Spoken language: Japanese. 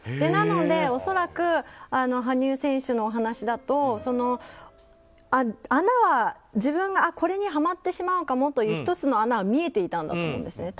なので、恐らく羽生選手のお話だと自分がこれにはまってしまうかもという１つの穴は見えていたんだと思います。